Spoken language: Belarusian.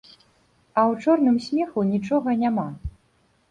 А ў чорным смеху нічога няма.